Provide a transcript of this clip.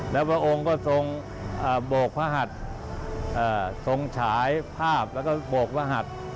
แล้วพระองค์ก็ทรงโบกพระหัสทรงฉายภาพแล้วก็โบกพระหัส